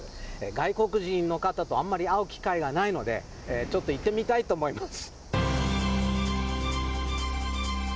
外国人の方とあまり会う機会がないのでちょっと行ってみたいと思います。